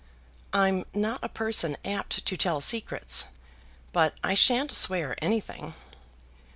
"I'm not a person apt to tell secrets, but I shan't swear anything."